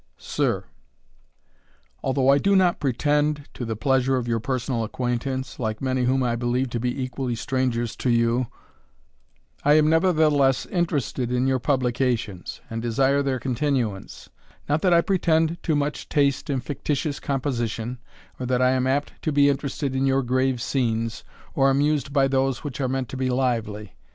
Sir, Although I do not pretend to the pleasure of your personal acquaintance, like many whom I believe to be equally strangers to you, I am nevertheless interested in your publications, and desire their continuance; not that I pretend to much taste in fictitious composition, or that I am apt to be interested in your grave scenes, or amused by those which are meant to be lively.